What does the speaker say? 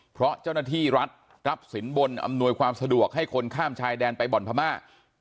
เพราะเจ้าหน้าที่รัฐรับสินบนอำนวยความสะดวกให้คนข้ามชายแดนไปบ่อนพม่า